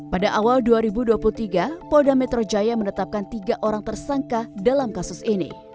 pada awal dua ribu dua puluh tiga polda metro jaya menetapkan tiga orang tersangka dalam kasus ini